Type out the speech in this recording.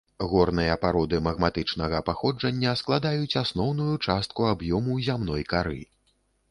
Горныя пароды магматычнага паходжання складаюць асноўную частку аб'ёму зямной кары.